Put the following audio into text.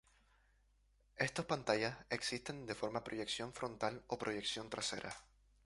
Estos pantallas existen de forma proyección frontal o proyección trasera.